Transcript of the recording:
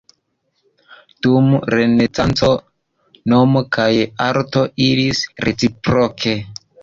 Dum Renesanco, mono kaj arto iris reciproke.